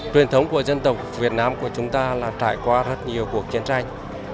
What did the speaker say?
truyền thống của dân tộc việt nam của chúng ta là trải qua rất nhiều cuộc chiến tranh